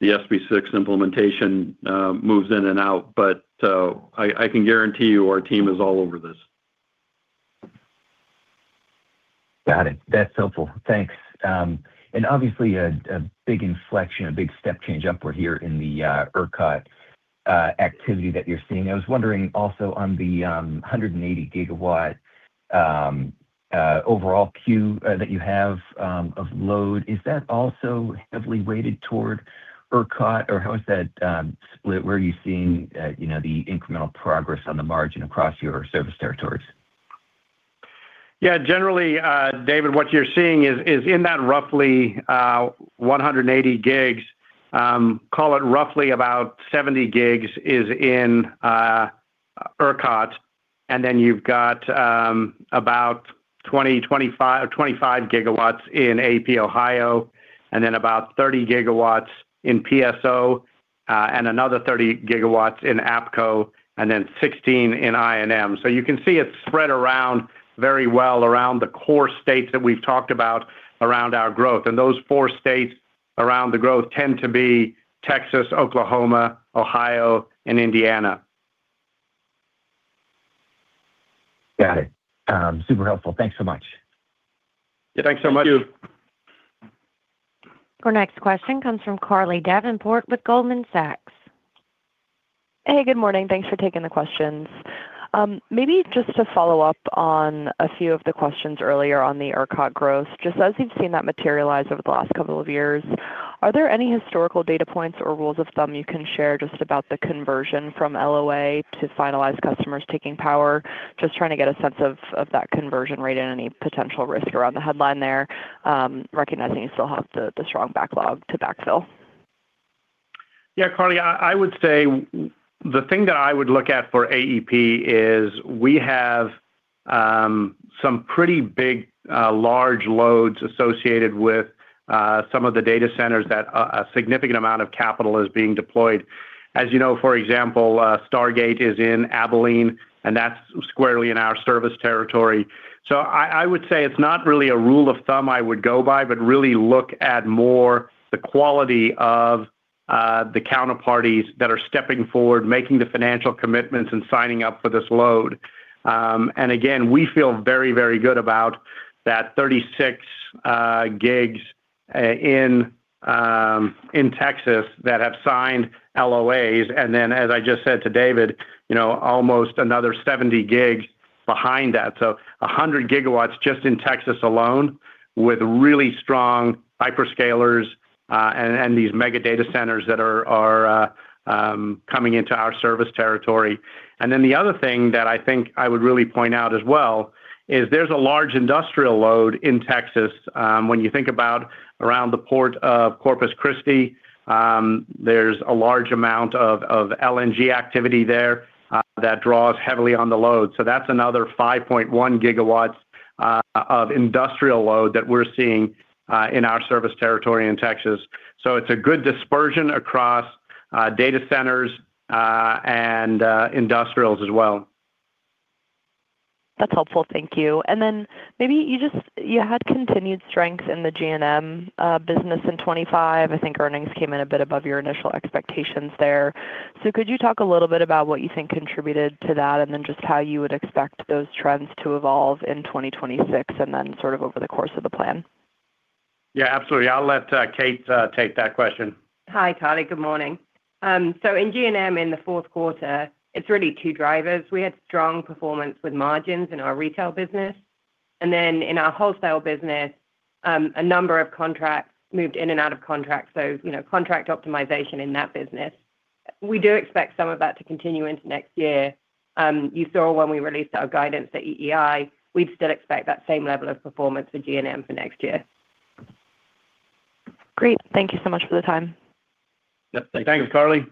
the SB 6 implementation moves in and out, but I can guarantee you our team is all over this. Got it. That's helpful. Thanks. And obviously, a big inflection, a big step change upward here in the ERCOT activity that you're seeing. I was wondering also on the 180 GW overall queue that you have of load, is that also heavily weighted toward ERCOT, or how is that split? Where are you seeing, you know, the incremental progress on the margin across your service territories? Yeah, generally, David, what you're seeing is in that roughly 180 GW, call it roughly about 70 GW is in ERCOT, and then you've got about 25 GW in AEP Ohio, and then about 30 GW in PSO, and another 30 GW in APCO, and then 16 in I&M. So you can see it's spread around very well around the core states that we've talked about around our growth. And those four states around the growth tend to be Texas, Oklahoma, Ohio, and Indiana. Got it. Super helpful. Thanks so much. Yeah, thanks so much. Thank you. Our next question comes from Carly Davenport with Goldman Sachs. Hey, good morning. Thanks for taking the questions. Maybe just to follow up on a few of the questions earlier on the ERCOT growth, just as you've seen that materialize over the last couple of years, are there any historical data points or rules of thumb you can share just about the conversion from LOA to finalized customers taking power? Just trying to get a sense of that conversion rate and any potential risk around the headline there, recognizing you still have the strong backlog to backfill. Yeah, Carly, I would say the thing that I would look at for AEP is we have some pretty big large loads associated with some of the data centers that a significant amount of capital is being deployed. As you know, for example, Stargate is in Abilene, and that's squarely in our service territory. So I would say it's not really a rule of thumb I would go by, but really look at more the quality of-... the counterparties that are stepping forward, making the financial commitments and signing up for this load. And again, we feel very, very good about that 36 GW in Texas that have signed LOAs. And then, as I just said to David, you know, almost another 70 GW behind that. So 100 GW just in Texas alone, with really strong hyperscalers, and these mega data centers that are coming into our service territory. And then the other thing that I think I would really point out as well, is there's a large industrial load in Texas. When you think about around the Port of Corpus Christi, there's a large amount of LNG activity there that draws heavily on the load. So that's another 5.1 GW of industrial load that we're seeing in our service territory in Texas. So it's a good dispersion across data centers and industrials as well. That's helpful. Thank you. And then maybe you just you had continued strength in the G&M business in 25. I think earnings came in a bit above your initial expectations there. So could you talk a little bit about what you think contributed to that, and then just how you would expect those trends to evolve in 2026 and then sort of over the course of the plan? Yeah, absolutely. I'll let Kate take that question. Hi, Carly. Good morning. So in G&M in the fourth quarter, it's really two drivers. We had strong performance with margins in our retail business, and then in our wholesale business, a number of contracts moved in and out of contracts, so, you know, contract optimization in that business. We do expect some of that to continue into next year. You saw when we released our guidance at EEI, we'd still expect that same level of performance for G&M for next year. Great. Thank you so much for the time. Yep. Thanks, Carly.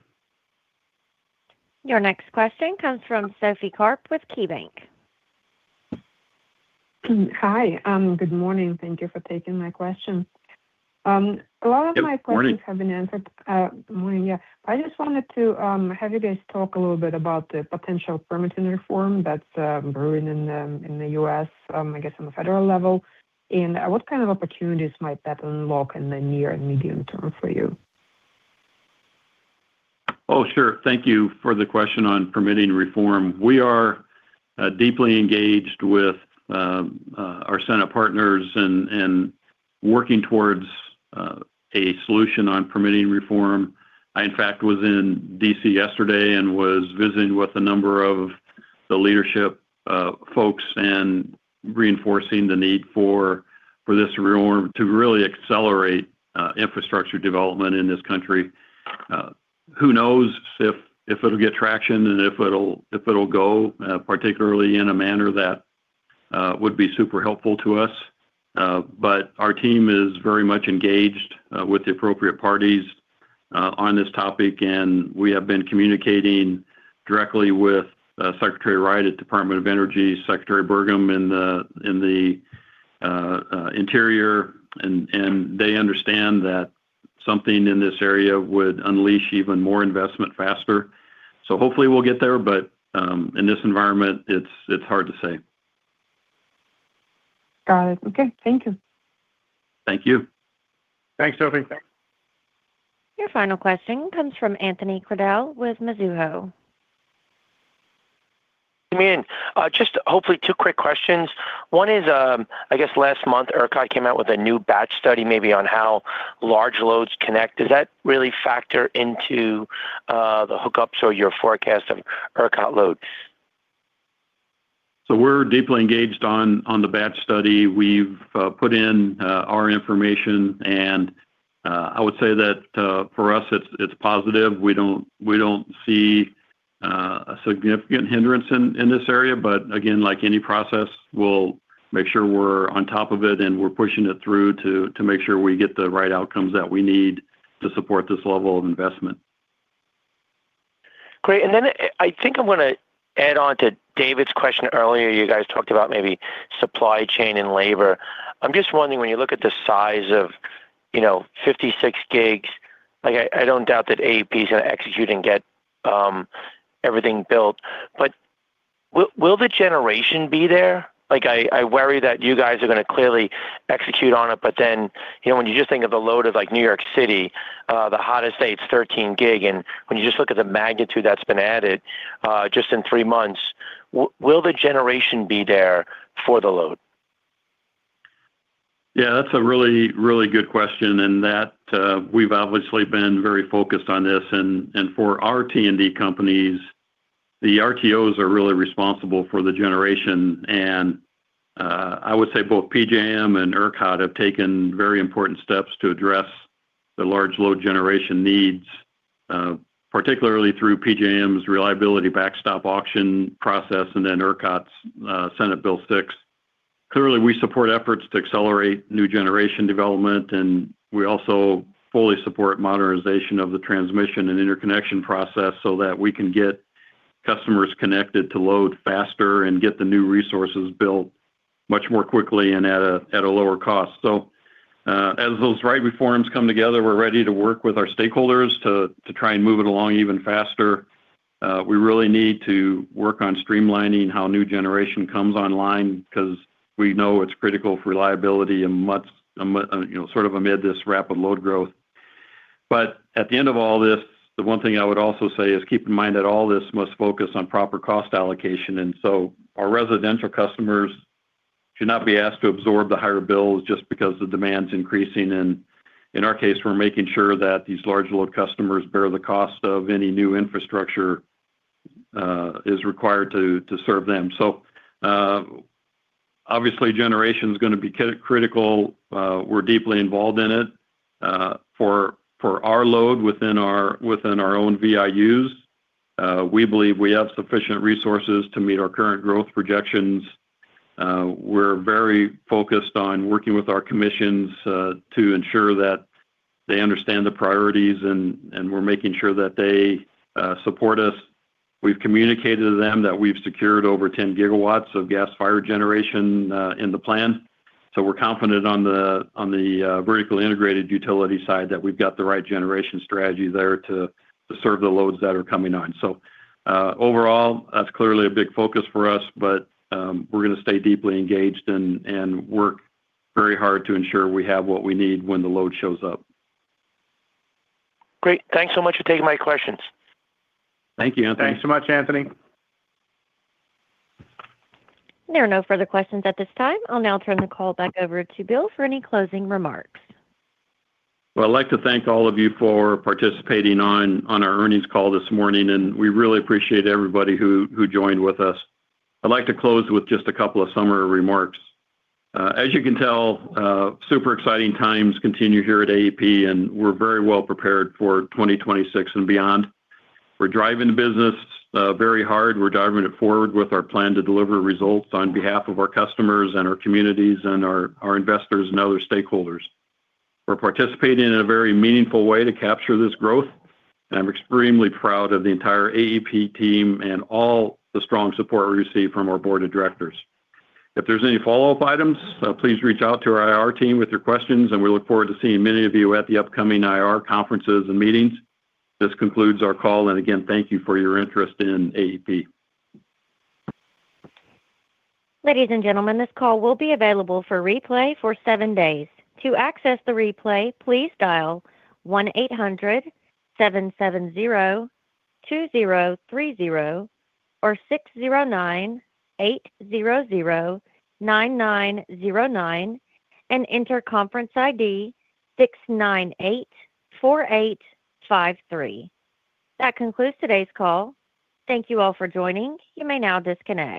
Your next question comes from Sophie Karp with KeyBanc. Hi. Good morning. Thank you for taking my question. A lot of my questions- Good morning. -have been answered. Morning, yeah. I just wanted to have you guys talk a little bit about the potential permitting reform that's brewing in the U.S., I guess, on the federal level. And what kind of opportunities might that unlock in the near and medium term for you? Oh, sure. Thank you for the question on permitting reform. We are deeply engaged with our Senate partners and working towards a solution on permitting reform. I, in fact, was in D.C. yesterday and was visiting with a number of the leadership folks and reinforcing the need for this reform to really accelerate infrastructure development in this country. Who knows if it'll get traction and if it'll go, particularly in a manner that would be super helpful to us. But our team is very much engaged with the appropriate parties on this topic, and we have been communicating directly with Secretary Wright at Department of Energy, Secretary Burgum in the Interior, and they understand that something in this area would unleash even more investment faster. So hopefully we'll get there, but in this environment, it's hard to say. Got it. Okay. Thank you. Thank you. Thanks, Sophie. Your final question comes from Anthony Crowdell with Mizuho. Good morning. Just hopefully two quick questions. One is, I guess last month, ERCOT came out with a new batch study, maybe on how large loads connect. Does that really factor into, the hookups or your forecast of ERCOT loads? So we're deeply engaged on the batch study. We've put in our information, and I would say that for us, it's positive. We don't see a significant hindrance in this area. But again, like any process, we'll make sure we're on top of it and we're pushing it through to make sure we get the right outcomes that we need to support this level of investment. Great. And then I think I want to add on to David's question earlier. You guys talked about maybe supply chain and labor. I'm just wondering, when you look at the size of, you know, 56 GW, like I don't doubt that AEP is going to execute and get everything built, but will the generation be there? Like, I worry that you guys are going to clearly execute on it, but then, you know, when you just think of the load of, like, New York City, the hottest day, it's 13 GW, and when you just look at the magnitude that's been added just in three months, will the generation be there for the load? Yeah, that's a really, really good question, and that, we've obviously been very focused on this. And, for our T&D companies, the RTOs are really responsible for the generation. And, I would say both PJM and ERCOT have taken very important steps to address the large load generation needs, particularly through PJM's reliability backstop auction process and then ERCOT's, Senate Bill 6. Clearly, we support efforts to accelerate new generation development, and we also fully support modernization of the transmission and interconnection process so that we can get customers connected to load faster and get the new resources built much more quickly and at a lower cost. So, as those RTO reforms come together, we're ready to work with our stakeholders to try and move it along even faster. We really need to work on streamlining how new generation comes online, because we know it's critical for reliability and much, you know, sort of amid this rapid load growth. But at the end of all this, the one thing I would also say is, keep in mind that all this must focus on proper cost allocation. And so our residential customers should not be asked to absorb the higher bills just because the demand's increasing. And in our case, we're making sure that these large load customers bear the cost of any new infrastructure is required to serve them. So, obviously, generation is gonna be critical. We're deeply involved in it, for our load within our own VIUs. We believe we have sufficient resources to meet our current growth projections. We're very focused on working with our commissions to ensure that they understand the priorities, and we're making sure that they support us. We've communicated to them that we've secured over 10 GW of gas-fired generation in the plan. So we're confident on the vertically integrated utility side, that we've got the right generation strategy there to serve the loads that are coming on. So overall, that's clearly a big focus for us, but we're gonna stay deeply engaged and work very hard to ensure we have what we need when the load shows up. Great. Thanks so much for taking my questions. Thank you, Anthony. Thanks so much, Antonio. There are no further questions at this time. I'll now turn the call back over to Bill for any closing remarks. Well, I'd like to thank all of you for participating on, on our earnings call this morning, and we really appreciate everybody who, who joined with us. I'd like to close with just a couple of summary remarks. As you can tell, super exciting times continue here at AEP, and we're very well prepared for 2026 and beyond. We're driving the business very hard. We're driving it forward with our plan to deliver results on behalf of our customers and our communities and our, our investors and other stakeholders. We're participating in a very meaningful way to capture this growth, and I'm extremely proud of the entire AEP team and all the strong support we receive from our board of directors. If there's any follow-up items, please reach out to our IR team with your questions, and we look forward to seeing many of you at the upcoming IR conferences and meetings. This concludes our call, and again, thank you for your interest in AEP. Ladies and gentlemen, this call will be available for replay for seven days. To access the replay, please dial 1-800-770-2030 or 609-800-9909 and enter conference ID 6984853. That concludes today's call. Thank you all for joining. You may now disconnect.